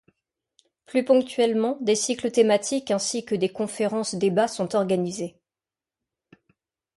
Plus ponctuellement, des cycles thématiques ainsi que des conférences débats sont organisés.